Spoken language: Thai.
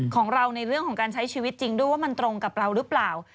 ของเราในเรื่องของการใช้ชีวิตจริงด้วยว่ามันตรงกับเราหรือเปล่า